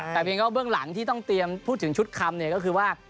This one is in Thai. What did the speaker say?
แต่เพียงก็เบื้องหลังที่ต้องเตรียมพูดถึงชุดคำเนี่ยก็คือว่า